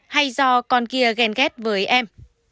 hay do con kia ghen ghét với em